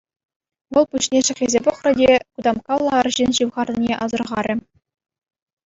Вӑл пуҫне ҫӗклесе пӑхрӗ те кутамккаллӑ арҫын ҫывхарнине асӑрхарӗ.